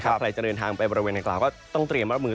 ใครจะเดินทางไปบริเวณนางกล่าวก็ต้องเตรียมรับมือ